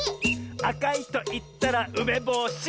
「あかいといったらうめぼし！」